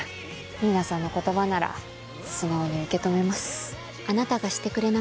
新名さんの言葉なら素直に受け止めます。